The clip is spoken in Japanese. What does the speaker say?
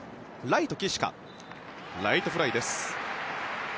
ライトフライです。